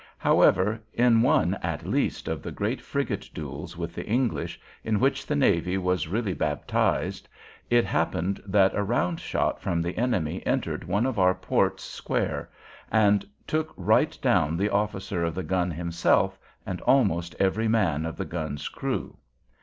However, in one, at least, of the great frigate duels with the English, in which the navy was really baptized, [Note 8] it happened that a round shot from the enemy entered one of our ports square, and took right down the officer of the gun himself, and almost every man of the gun's crew.